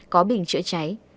có bình chữa cháy